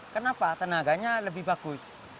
kenapa tenaganya lebih bagus